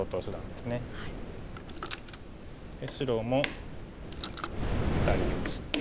で白も対応して。